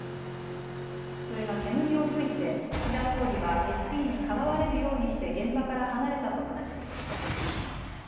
それが煙を噴いて岸田総理はＳＰにかばわれるようにして現場から離れたと話していました。